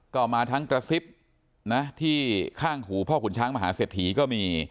ก็มาทั้งกระซิบนะที่ข้างหูพ่อขุนช้างมหาเศรษฐีก็มี